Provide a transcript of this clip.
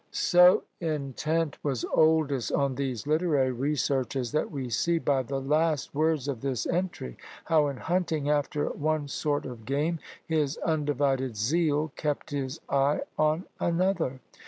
So intent was Oldys on these literary researches that we see, by the last words of this entry, how in hunting after one sort of game, his undivided zeal kept his eye on another.